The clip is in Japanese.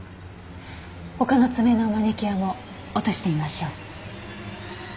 他の爪のマニキュアも落としてみましょう。